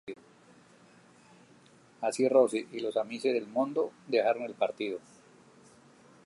Así Rossi y los "Amici del Mondo" dejaron el partido.